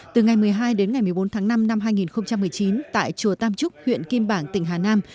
từ ngày một mươi hai đến ngày một mươi bốn tháng năm năm hai nghìn một mươi chín tại chùa tam trúc huyện kim bảng tỉnh hà nam